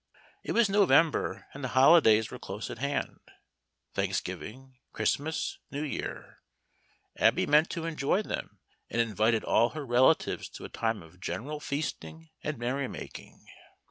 It was November, and the holidays were close at hand. Thanksgiving, Christmas, New Year. Abby meant to enjoy them, and invited all her relatives to a time of general feasting and merrymaking.